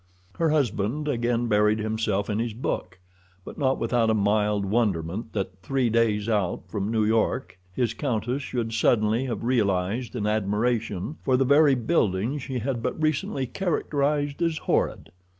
Her husband again buried himself in his book, but not without a mild wonderment that three days out from New York his countess should suddenly have realized an admiration for the very buildings she had but recently characterized as horrid.